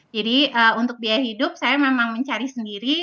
jadi untuk biaya hidup saya memang mencari sendiri